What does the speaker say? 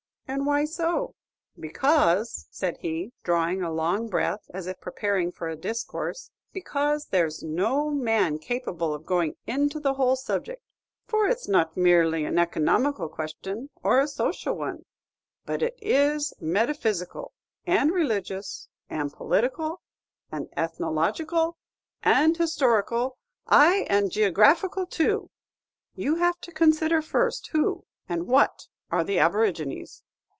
"And why so?" "Because," said he, drawing a long breath, as if preparing for a discourse, "because there's no man capable of going into the whole subject; for it's not merely an economical question or a social one, but it is metaphysical, and religious, and political, and ethnological, and historical, ay, and geographical too! You have to consider, first, who and what are the aborigines.